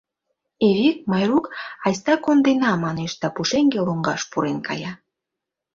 — Эвик, Майрук, айста кондена, — манеш да пушеҥге лоҥгаш пурен кая.